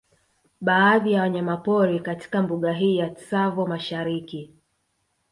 Baadhi ya wanyamapori katika mbuga hii ya Tsavo Mashariki